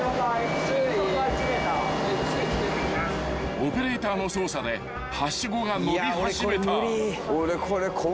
［オペレーターの操作ではしごが伸び始めた］